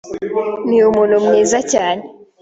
ni umuntu mwiza cyane